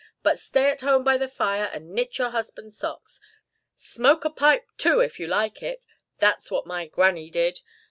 "But stay at home by the fire and knit your husband's socks. Smoke a pipe too, if you like it. That's what my granny did.